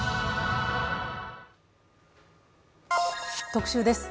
特集です。